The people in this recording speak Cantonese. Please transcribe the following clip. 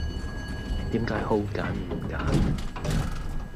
點解好揀唔揀